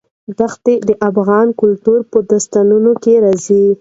دښتې د افغان کلتور په داستانونو کې راځي.